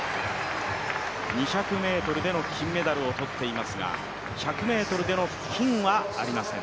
２００ｍでの金メダルを取っていますが、１００ｍでの金はありません。